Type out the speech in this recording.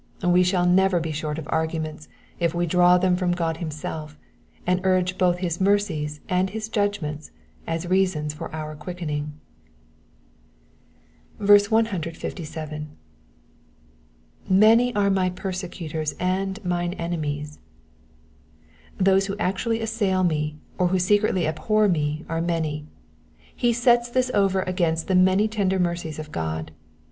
We shall never be short of arguments if we draw them from God himself, and urge both his mercies and his judgments as reasons for our quickening. 157. ''^Many are my persecutors and mine enemies.'*^ Those who actually assail me, or who secretly abhor me, are many. He sets this over against the many tender mercies of God.